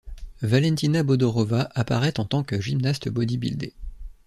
Valentina Bodorova apparait en tant que gymnaste bodybuildé.